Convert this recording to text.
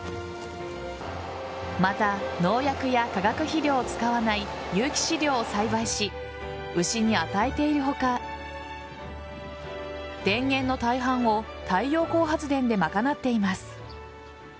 また、農薬や化学肥料を使わない有機飼料を栽培し牛に与えている他電源の大半を太陽光発電で賄っています。